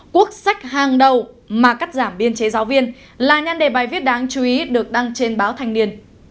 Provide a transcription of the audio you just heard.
quốc sách hàng đầu mà cắt giảm biên chế giáo viên là nhan đề bài viết đáng chú ý được đăng trên báo thành niên